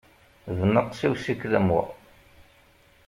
Bnaqes i usikel am wa!